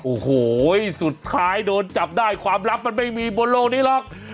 โอ้โหสุดท้ายโดนจับได้ความลับมันไม่มีบนโลกนี้หรอก